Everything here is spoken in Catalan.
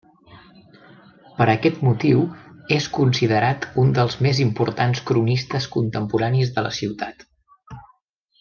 Per aquest motiu és considerat un dels més importants cronistes contemporanis de la ciutat.